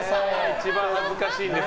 一番恥ずかしいんです